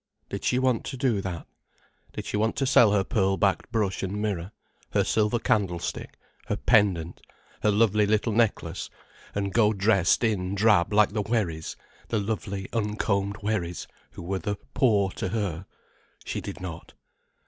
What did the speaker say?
Did she want to do that? Did she want to sell her pearl backed brush and mirror, her silver candlestick, her pendant, her lovely little necklace, and go dressed in drab like the Wherrys: the unlovely uncombed Wherrys, who were the "poor" to her? She did not.